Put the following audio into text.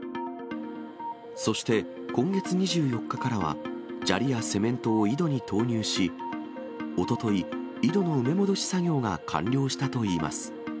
そして、今月２４日からは、砂利やセメントを井戸に投入し、おととい、井戸の埋め戻し作業が完了したといいます。